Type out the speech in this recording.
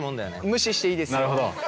無視していいですよ。